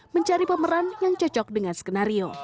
mencari pemeran yang cocok dengan skenario